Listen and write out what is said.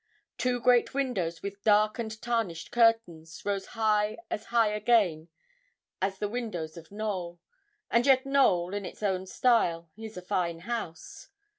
Two great windows, with dark and tarnished curtains, rose half as high again as the windows of Knowl; and yet Knowl, in its own style, is a fine house.